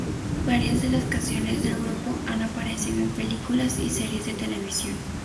Varias de las canciones del grupo han aparecido en películas y series de televisión.